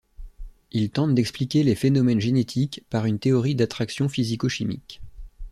Il tente d’expliquer les phénomènes génétiques par une théorie d’attraction physico-chimique.